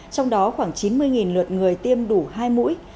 trong đó khoảng chín mươi lượt người tiêm đủ hai mũi